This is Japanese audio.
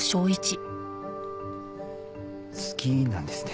好きなんですね。